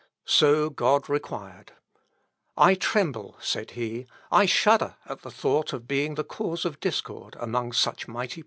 So God required. "I tremble," said he, "I shudder at the thought of being the cause of discord among such mighty princes."